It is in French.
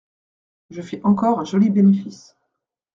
Je fais encore un joli bénéfice.